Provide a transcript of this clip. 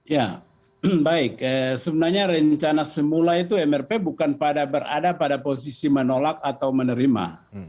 ya baik sebenarnya rencana semula itu mrp bukan berada pada posisi menolak atau menerima